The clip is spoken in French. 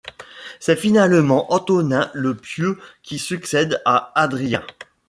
C'est finalement Antonin le Pieux qui succède à Hadrien.